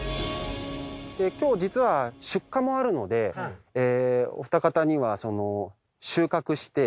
今日実は出荷もあるのでお二方には。えっ？